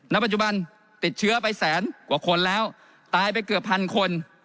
ปัจจุบันติดเชื้อไปแสนกว่าคนแล้วตายไปเกือบพันคน